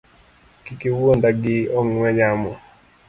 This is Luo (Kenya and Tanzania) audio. Kik iwuonda gi ong’we yamo